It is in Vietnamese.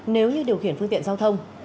nếu như điều khiển phương tiện giao thông